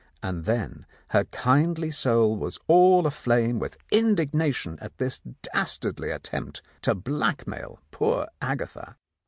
And then her kindly soul was all aflame with indignation at this dastardly attempt to blackmail poor Agatha.